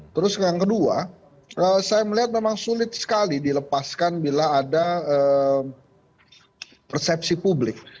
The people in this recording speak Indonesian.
terus yang kedua saya melihat memang sulit sekali dilepaskan bila ada persepsi publik